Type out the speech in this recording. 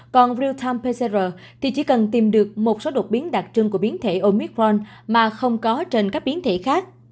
còn real time pcr thì chỉ cần tìm được một số đột biến đặc trưng của biến thể omitron mà không có trên các biến thể khác